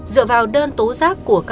dựa vào đơn tố giác